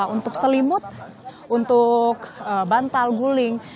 untuk selimut untuk bantal guling